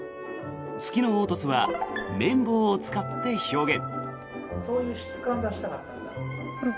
月の凹凸は綿棒を使って表現。